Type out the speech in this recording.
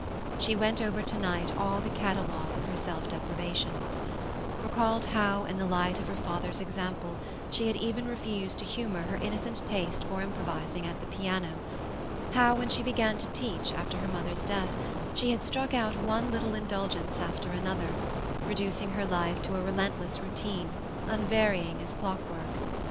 She went over tonight all the catalogue of her self deprivations; recalled how, in the light of her father's example, she had even refused to humor her innocent taste for improvising at the piano; how, when she began to teach, after her mother's death, she had struck out one little indulgence after another, reducing her life to a relentless routine, unvarying as clockwork.